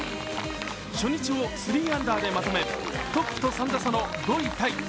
初日を３アンダーでまとめトップと３打差の５位タイ。